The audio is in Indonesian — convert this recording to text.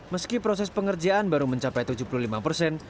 meski proses pengerjaan baru mencapai tujuh puluh lima persen